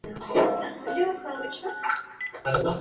Pasa junto a la Avenida Alicia Moreau de Justo.